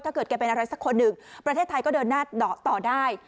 แกเป็นอะไรสักคนหนึ่งประเทศไทยก็เดินหน้าต่อได้